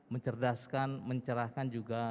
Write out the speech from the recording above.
mencerdaskan mencerahkan juga